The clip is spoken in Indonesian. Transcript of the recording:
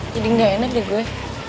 jadi ga enak ya gue